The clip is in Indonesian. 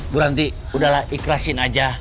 bu ranti udahlah ikhlasin aja